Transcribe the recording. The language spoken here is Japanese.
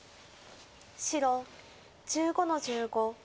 白１５の十五。